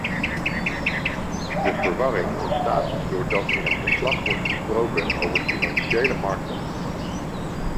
De verwarring ontstaat doordat in het verslag wordt gesproken over financiële markten.